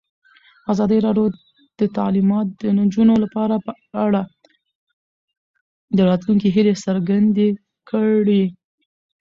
ازادي راډیو د تعلیمات د نجونو لپاره په اړه د راتلونکي هیلې څرګندې کړې.